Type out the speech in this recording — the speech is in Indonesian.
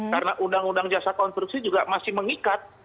karena undang undang jasa konstruksi juga masih mengikat